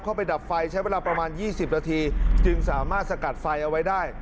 เข้าไปดับไฟใช้เวลาประมาณยี่สิบนาทีจึงสามารถสกัดไฟเอาไว้ได้